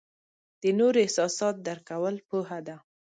د نورو احساسات درک کول پوهه ده.